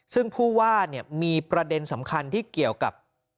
ซึ่งผู้ว่ามีประเด็นสำคัญที่เกี่ยวกับ